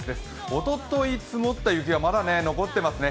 おととい、積もった雪がまだ残っていますね。